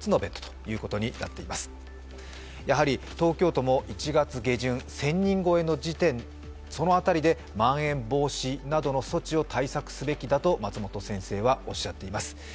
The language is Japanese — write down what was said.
東京とも１月下旬１０００人超えの時点辺りでまん延防止などの措置を対策すべきだと松本先生はおっしゃっています。